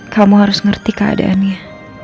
kamu harus ngerti keadaannya